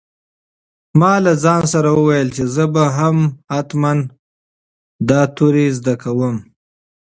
ما له ځان سره وویل چې زه به هم حتماً دا توري زده کوم.